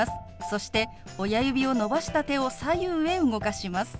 そして親指を伸ばした手を左右へ動かします。